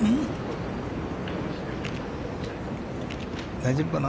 大丈夫かな？